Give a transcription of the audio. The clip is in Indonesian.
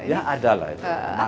ya ada lah itu